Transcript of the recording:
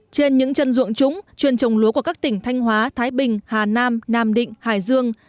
trên những chân ruộng trũng chuyên trồng lúa của các tỉnh thanh hóa thái bình hà nam nam định hải dương